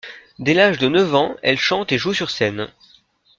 Dès l'âge de neuf ans, elle chante et joue sur scène.